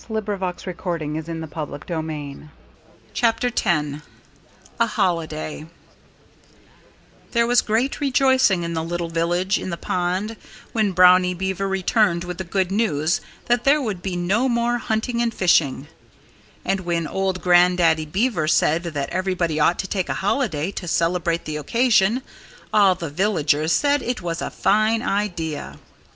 [Illustration: Brownie Beaver Returned to His Wood cutting] X A HOLIDAY There was great rejoicing in the little village in the pond when Brownie Beaver returned with the good news that there would be no more hunting and fishing. And when old Grandaddy Beaver said that everybody ought to take a holiday to celebrate the occasion, all the villagers said it was a fine idea.